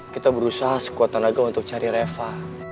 kita berusaha sekuatan agar untuk cari reva